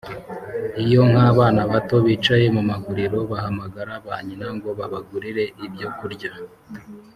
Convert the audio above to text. Iyo nk’abana bato bicaye mu maguriro bahamagara ba nyina ngo babagurire ibyo kurya